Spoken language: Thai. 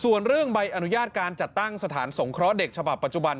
ส่วนเรื่องใบอนุญาตการจัดตั้งสถานสงเคราะห์เด็กฉบับปัจจุบัน